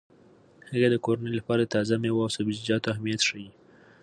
هغې د کورنۍ لپاره د تازه میوو او سبزیجاتو اهمیت ښيي.